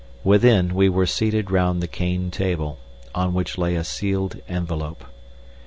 Within we were seated round the cane table, on which lay a sealed envelope.